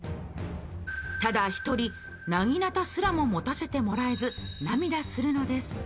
ただ一人、なぎなたすら持たせてもらえず、涙するのです。